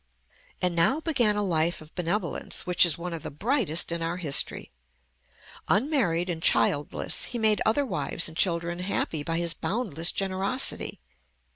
And now began a life of benevolence which is one of the brightest in our history. Unmarried and childless, he made other wives and children happy by his boundless generosity.